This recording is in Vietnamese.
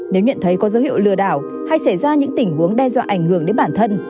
nếu nhận thấy có dấu hiệu lừa đảo hay xảy ra những tình huống đe dọa ảnh hưởng đến bản thân